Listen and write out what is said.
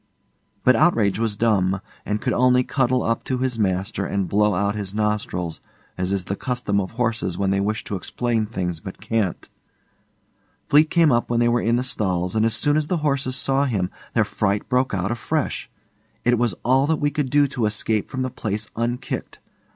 But Outrage was dumb, and could only cuddle up to his master and blow out his nostrils, as is the custom of horses when they wish to explain things but can't. Fleete came up when we were in the stalls, and as soon as the horses saw him, their fright broke out afresh. It was all that we could do to escape from the place unkicked.